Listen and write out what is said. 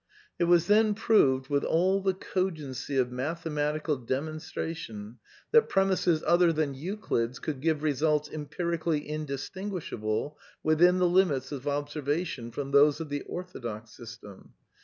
It was then proved with all the cogency of mathematical demon stration that premisses other than Euclid's could give results empirically indistinguishable, within the limits of observation from those of the orthodox system.